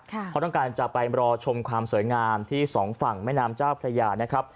เพราะต้องการจะไปรอชมความสวยงามที่สองฝั่งแม่นามเจ้าพระยา